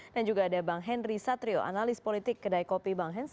dan juga ada bang henry satrio analis politik kedai kopi bang hensat